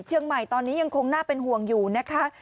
เชียงใหม่ตอนนี้ยังคงน่าเป็นห่วงอยู่นะคะ